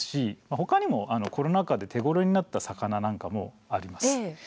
ほかにも、コロナ禍で手ごろになった魚なんかもあります。